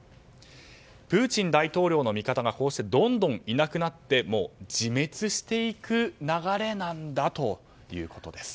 プーチン大統領の味方がこうしてどんどんいなくなって自滅していく流れなんだということです。